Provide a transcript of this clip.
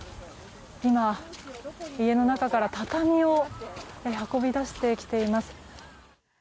今、家の中から畳を運び出してきています。